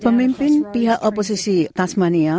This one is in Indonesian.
pemimpin pihak oposisi tasmania